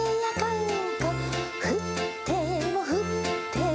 「ふってもふっても」